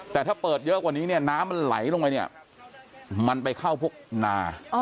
แต่ถ้าเปิดเยอะกว่านี้เนี่ยน้ำมันไหลลงไปเนี่ยมันไปเข้าพวกนา